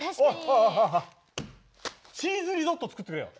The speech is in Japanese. チーズリゾットを作ってくれよ。